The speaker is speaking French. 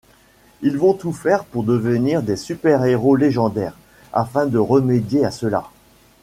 Ils vont tout faire pour devenir des superhéros légendaires, afin de remédier à cela.